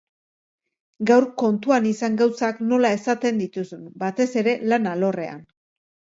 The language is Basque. Gaur kontuan izan gauzak nola esaten dituzun, batez ere, lan alorrean.